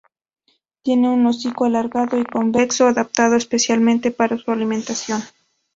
Tiene un hocico alargado y convexo, adaptado especialmente para su alimentación.